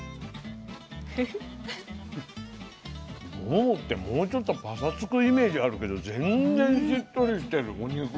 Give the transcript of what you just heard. ももってもうちょっとパサつくイメージあるけど全然しっとりしてるお肉が。